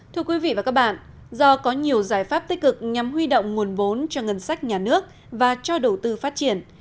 thưa quý vị và các bạn do có nhiều giải pháp tích cực nhằm huy động nguồn vốn cho ngân sách nhà nước và cho đầu tư phát triển